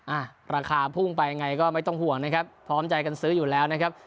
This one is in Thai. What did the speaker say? อ่ะราคาพุ่งไปยังไงก็ไม่ต้องห่วงนะครับพร้อมใจกันซื้ออยู่แล้วนะครับ